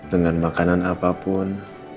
dengan makanan apapun